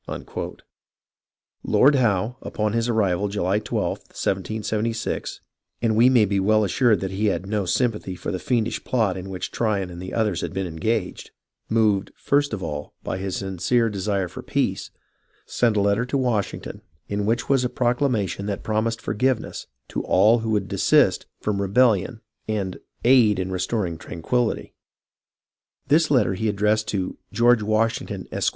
Lord Howe, upon his arrival July 12th, 1776, — and we may be well assured he had no sympathy for the fiendish plot in which Try on and others had been engaged, — moved first of all, by his sincere desire for peace, sent a letter to Washington in which was a proclamation that promised forgiveness to all who would desist from rebellion and "aid in restoring tranquilhty." This letter he addressed to "George Washington, Esq.